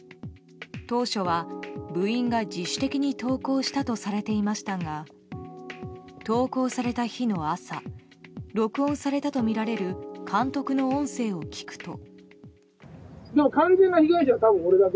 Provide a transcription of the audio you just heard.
当初は部員が自主的に投稿したとされていましたが投稿された日の朝録音されたとみられる監督の音声を聞くと。